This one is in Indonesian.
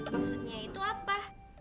maksudnya itu apa